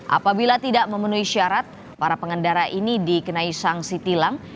apabila tidak memenuhi syarat para pengendara ini dikenai sanksi tilang